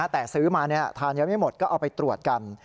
แต่ซื้อมาทานยังไม่หมดก็เอาไปตรวจกัน